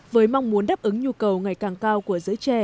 với mong muốn đáp ứng nhu cầu ngày càng cao của giới trẻ